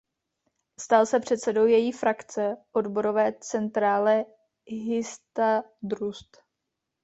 Stal se předsedou její frakce v odborové centrále Histadrut.